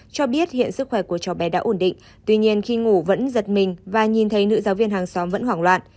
cho biết hiện sức khỏe của cháu bé đã ổn định tuy nhiên khi ngủ vẫn giật mình và nhìn thấy nữ giáo viên hàng xóm vẫn hoảng loạn